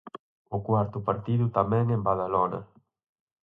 O cuarto partido tamén en Badalona.